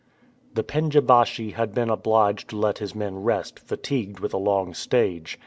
The pendja baschi had been obliged to let his men rest, fatigued with a long stage.